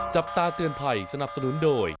จับตาเตือนภัยสนับสนุนโดย